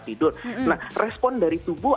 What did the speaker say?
tidur nah respon dari tubuh